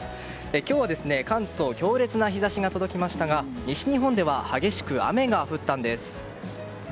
今日は関東強烈な日差しが届きましたが西日本では激しく雨が降ったんです。